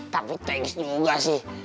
tapi thanks juga sih